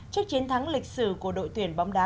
trước chiến thắng lịch sử của đội tuyển bóng đá